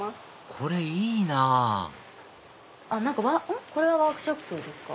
これいいなぁこれはワークショップですか？